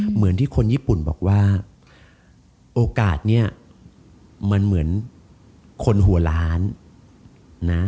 เหมือนที่คนญี่ปุ่นบอกว่าโอกาสนี้มันเหมือนคนหัวล้านนะ